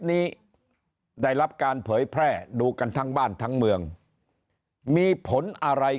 นี้ได้รับการเผยแพร่ดูกันทั้งบ้านทั้งเมืองมีผลอะไร